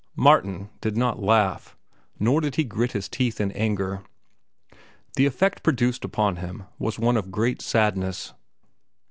Martin did not laugh; nor did he grit his teeth in anger. The effect produced upon him was one of great sadness.